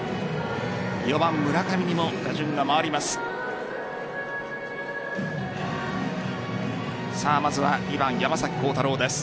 ４番・村上にも打順が回ります。